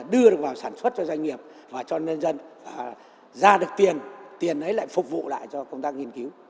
đưa được vào sản xuất cho doanh nghiệp và cho nhân dân ra được tiền tiền ấy lại phục vụ lại cho công tác nghiên cứu